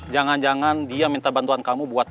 jangan jangan dia minta bantuan kamu buat